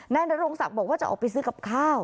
นายนรงศักดิ์บอกว่าจะออกไปซื้อกับข้าว